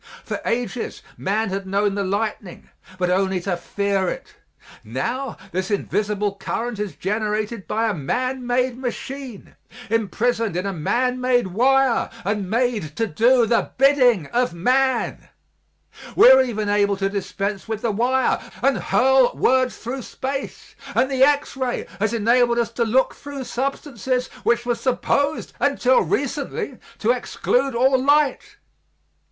For ages man had known the lightning, but only to fear it; now, this invisible current is generated by a man made machine, imprisoned in a man made wire and made to do the bidding of man. We are even able to dispense with the wire and hurl words through space, and the X ray has enabled us to look through substances which were supposed, until recently, to exclude all light.